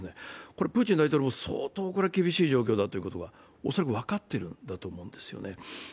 これプーチン大統領も相当、厳しい状況だということは恐らく分かっているんだと思うんですね。